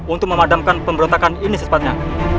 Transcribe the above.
untuk memadamkan pemberontakan ini secepatnya